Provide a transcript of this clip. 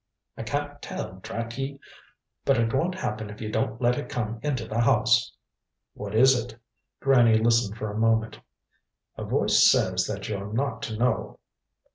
"I can't tell, drat ye! But it won't happen if you don't let It come into the house." "What is It?" Granny listened for a moment. "A voice says that you're not to know."